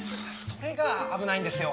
それが危ないんですよ！